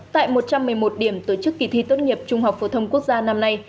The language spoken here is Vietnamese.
tại một trăm một mươi một điểm tổ chức kỳ thi tốt nghiệp trung học phổ thông quốc gia năm nay